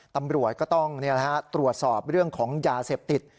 ตำรวจก็ต้องตรวจสอบเรื่องของยาเสพติด